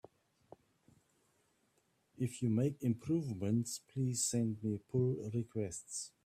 If you make improvements, please send me pull requests!